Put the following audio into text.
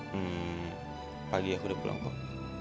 hmm pagi aku udah pulang kok